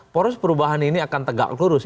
poros perubahan ini akan tegak lurus